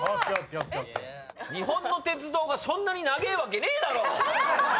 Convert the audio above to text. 日本の鉄道がそんなに長えわけねえだろ！